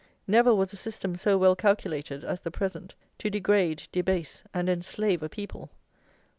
Never was a system so well calculated as the present to degrade, debase, and enslave a people!